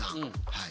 はい。